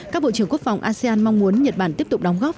các bộ trưởng quốc phòng asean mong muốn nhật bản tiếp tục đóng góp